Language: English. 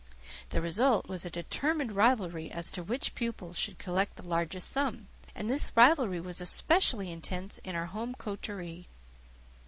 The result was a determined rivalry as to which pupil should collect the largest sum; and this rivalry was especially intense in our home coterie.